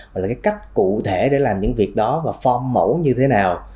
mà là cái cách cụ thể để làm những việc đó và form mẫu như thế nào